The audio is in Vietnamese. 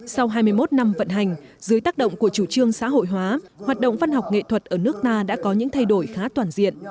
sau hai mươi một năm vận hành dưới tác động của chủ trương xã hội hóa hoạt động văn học nghệ thuật ở nước ta đã có những thay đổi khá toàn diện